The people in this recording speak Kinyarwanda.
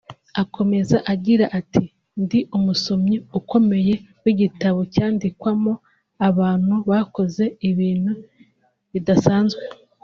Akomeza agira ati “Ndi umusomyi ukomeye w’igitabo cyandikwamo abantu bakoze ibintu bidasanze